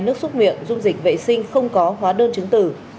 nước xúc miệng dung dịch vệ sinh không có hóa đơn chứng tử